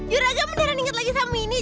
juragan beneran inget lagi sama mini